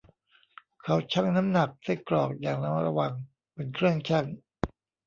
เขาชั่งน้ำหนักไส้กรอกอย่างระมัดระวังบนเครื่องชั่ง